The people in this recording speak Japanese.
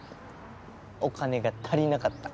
お金が足りなかった。